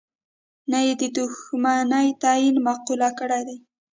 نه یې د دوښمنی تعین معقوله کړې ده.